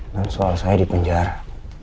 dan soal saya di penjara